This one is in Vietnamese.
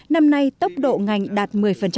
năm nay tốc độ ngành đạt một mươi